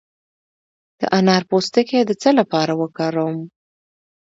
د انار پوستکی د څه لپاره وکاروم؟